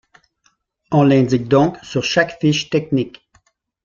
On l'indique donc sur chaque fiche technique.